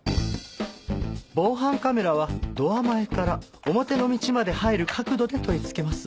防犯カメラはドア前から表の道まで入る角度で取り付けます。